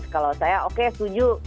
kalau saya oke setuju